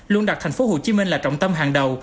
luôn đặt thành phố hồ chí minh là trọng tâm hàng đầu